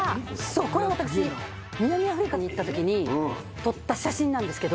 これ私南アフリカに行った時に撮った写真なんですけど。